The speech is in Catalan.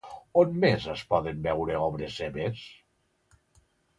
On més es poden veure obres seves?